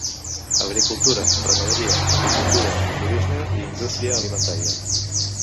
Agricultura, ramaderia, apicultura, turisme i indústria alimentària.